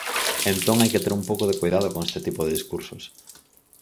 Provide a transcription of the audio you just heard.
Entón, hai que ter un pouco de coidado con este tipo de discursos.